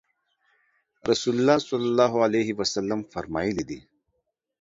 رسول الله صلی الله علیه وسلم فرمایلي دي